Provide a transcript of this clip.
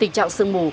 tình trạng sương mù